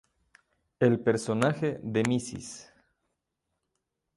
El personaje de Mrs.